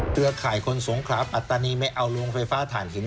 ข่ายคนสงครามอัตตานีไม่เอาโรงไฟฟ้าฐานหิน